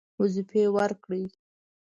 وظیفې ورکړې.